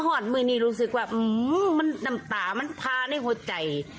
แล้วโด่งคนก็รู้สึกว่ามันต่างมันภาในหัวใจ